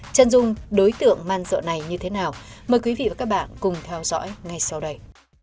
chân dung đối tượng man dợ này như thế nào mời quý vị và các bạn cùng theo dõi ngay sau đây